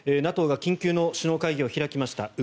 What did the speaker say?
ＮＡＴＯが緊急の首脳会議を開きました。